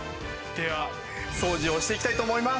では掃除をしていきたいと思います！